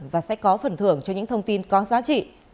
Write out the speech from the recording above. và sẽ có phần thưởng cho những thông tin có giá trị